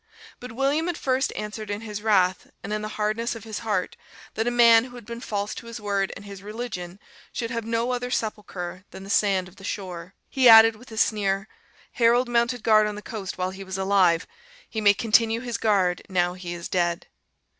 But William at first answered in his wrath, and in the hardness of his heart, that a man who had been false to his word and his religion should have no other sepulchre than the sand of the shore. He added, with a sneer, "Harold mounted guard on the coast while he was alive; he may continue his guard now he is dead."